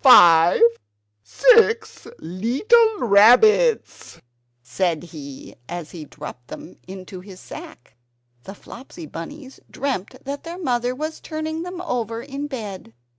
five! six leetle rabbits!" said he as he dropped them into his sack. The Flopsy Bunnies dreamt that their mother was turning them over in bed.